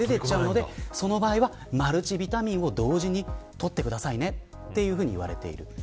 その場合は、マルチビタミンを同時に取ってくださいねと言われています。